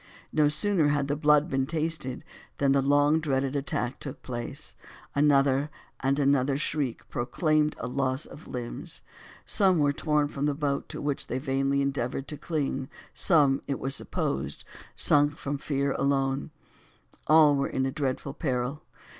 No sooner had the blood been tasted than the long dreaded attack took place; another and another shriek proclaimed a loss of limbs; some were torn from the boat to which they vainly endeavored to cling; some, it was supposed, sunk from fear alone; all were in dreadful peril.